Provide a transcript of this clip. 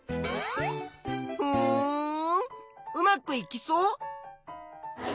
ふんうまくいきそう？